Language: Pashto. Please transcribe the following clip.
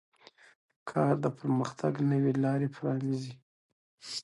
کار د پرمختګ نوې لارې پرانیزي